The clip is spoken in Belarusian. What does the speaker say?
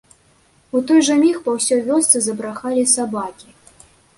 У той жа міг па ўсёй вёсцы забрахалі сабакі.